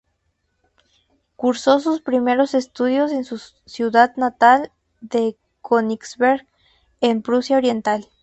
Cursó sus primeros estudios en su ciudad natal de Königsberg en Prusia Oriental.